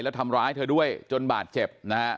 แล้วทำร้ายเธอด้วยจนบาดเจ็บนะฮะ